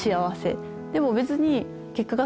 でも別に。